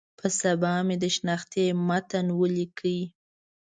په سبا مې د شنختې متن ولیک.